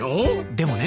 でもね